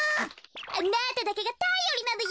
あなただけがたよりなのよ。